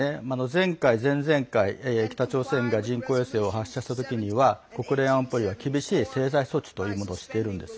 前回、前々回北朝鮮が人工衛星を発射した際には、国連安保理は厳しい制裁措置というものをしているんです。